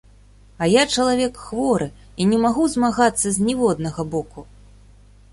А я чалавек хворы і не магу змагацца з ніводнага боку.